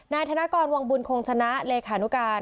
นายธนกรวังบุญคงชนะเลขานุการ